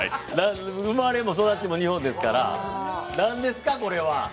生まれも育ちも日本ですから何ですか、これは？